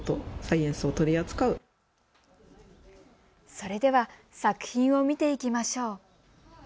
それでは作品を見ていきましょう。